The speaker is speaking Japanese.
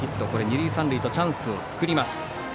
二塁三塁とチャンスを作ります。